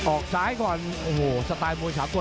ออกซ้ายก่อนโหสไตล์มวยชาวตัว